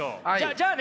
じゃあね